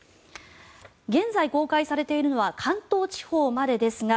現在公開されているのは関東地方までですが